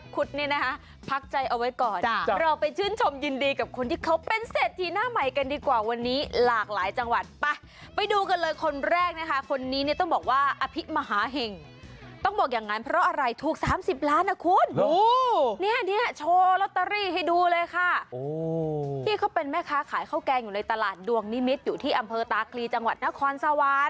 ขายข้าวแกงอยู่ในตลาดดวงนิมิตรอยู่ที่อำเภอตากรีจังหวัดนครสวรรค์